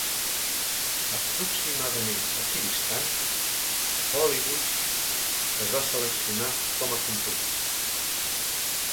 Aproximadament equidistant, Hollybush es va seleccionar com a compromís.